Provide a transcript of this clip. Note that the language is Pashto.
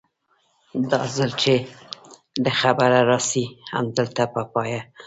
دا ځل چې له خيره راسي همدلته به پاته سي.